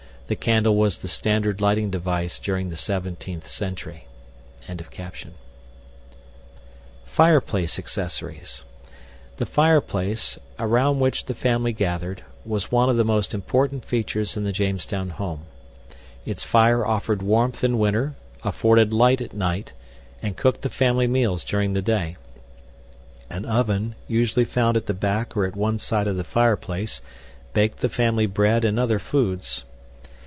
THE CANDLE WAS THE STANDARD LIGHTING DEVICE DURING THE 17TH CENTURY.] FIREPLACE ACCESSORIES The fireplace, around which the family gathered, was one of the most important features in the Jamestown home. Its fire offered warmth in winter, afforded light at night, and cooked the family meals during the day. An oven, usually found at the back or at one side of the fireplace, baked the family bread and other foods.